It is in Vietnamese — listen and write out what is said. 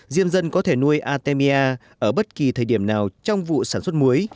diêm dân có thể nuôi artemia ở bất kỳ thời điểm nào trong vụ sản xuất muối